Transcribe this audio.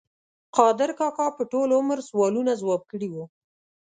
قادر کاکا په ټول عمر سوالونه ځواب کړي وو.